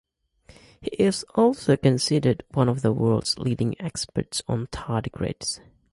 He is also considered one of the world's leading experts on tardigrades.